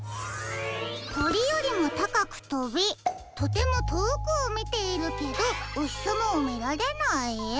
「とりよりもたかくとびとてもとおくをみているけどおひさまをみられない」？